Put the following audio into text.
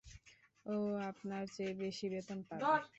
ও আপনার চেয়ে বেশি বেতন পাবে।